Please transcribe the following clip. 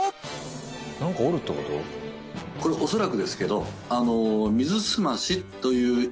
これおそらくですけど。